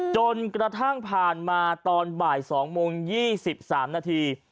จนกระทั่งผ่านมาตอนบ่าย๒โมง๒๓นาที